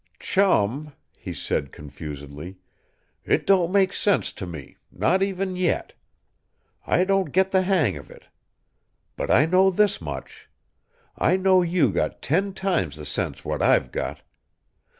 "Chum," he said confusedly, "it don't make sense to me, not even yet. I don't get the hang of it. But I know this much: I know you got ten times the sense what I'VE got.